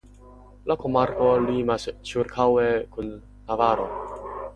La komarko limas ĉirkaŭe kun Navaro.